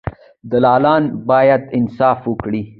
دلالان باید انصاف وکړي.